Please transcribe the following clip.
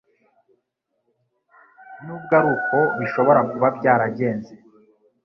Nubwo ari uko bishobora kuba byaragenze,